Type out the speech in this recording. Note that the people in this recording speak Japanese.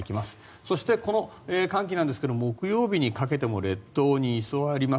そしてこの寒気ですが木曜日にかけても列島に居座ります。